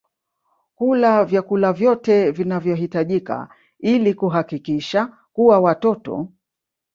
kula vyakula vyote vinavyohitajika ili kuhakikisha kuwa watoto